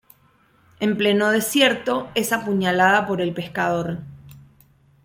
En pleno desierto, es apuñalada por el pescador.